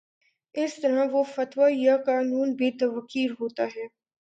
اس طرح وہ فتویٰ یا قانون بے توقیر ہوتا ہے